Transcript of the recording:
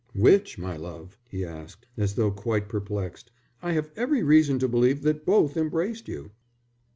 "Which, my love?" he asked, as though quite perplexed. "I have every reason to believe that both embraced you."